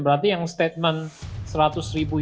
menyiapkan tahap konsorsium